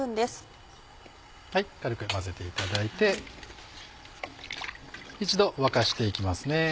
軽く混ぜていただいて一度沸かしていきますね。